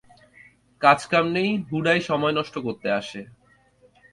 কাজ কাম নেই, হুডাই সময় নষ্ট করতে আসে!